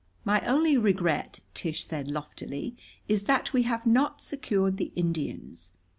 "My only regret," Tish said loftily, "is that we have not secured the Indians.